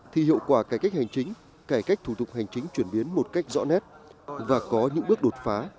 thì hiệu quả cải cách hành chính cải cách thủ tục hành chính chuyển biến một cách rõ nét và có những bước đột phá